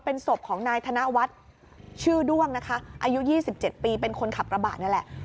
เป็นศพของนายธนวัฒน์ชื่อด้วงนะคะอายุ๒๗ปีเป็นคนขับกระบะนี่แหละ